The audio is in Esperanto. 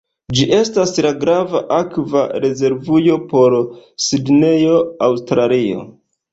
Ĝi estas la grava akva rezervujo por Sidnejo, Aŭstralio.